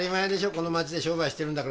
この町で商売してるんだからさ。